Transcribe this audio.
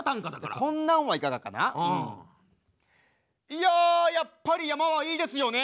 いややっぱり山はいいですよね。